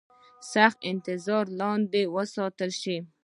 سخت نظارت لاندې وساتل شي.